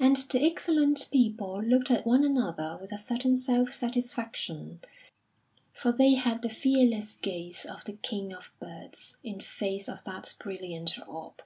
And the excellent people looked at one another with a certain self satisfaction, for they had the fearless gaze of the king of birds in face of that brilliant orb.